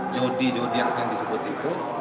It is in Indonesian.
judi judi yang sering disebut itu